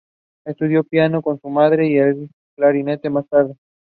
Her parents were noted actors.